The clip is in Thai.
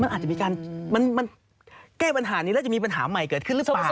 มันอาจจะมีการมันแก้ปัญหานี้แล้วจะมีปัญหาใหม่เกิดขึ้นหรือเปล่า